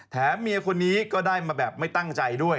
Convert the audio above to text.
เมียคนนี้ก็ได้มาแบบไม่ตั้งใจด้วย